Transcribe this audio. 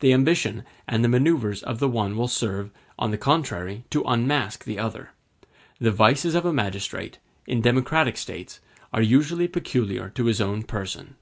The ambition and the manoeuvres of the one will serve, on the contrary, to unmask the other. The vices of a magistrate, in democratic states, are usually peculiar to his own person.